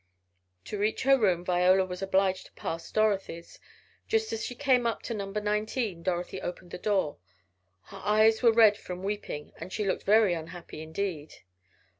To reach her room Viola was obliged to pass Dorothy's. Just as she came up to number nineteen Dorothy opened the door. Her eyes were red from weeping, and she looked very unhappy indeed.